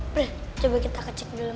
udah coba kita kecek dulu